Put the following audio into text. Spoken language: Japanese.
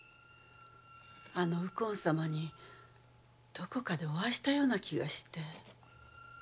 あの右近様にどこかでお会いしたような気がして。